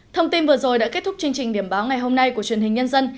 thông tin vừa rồi đã kết thúc chương trình điểm báo ngày hôm nay của truyền hình nhân dân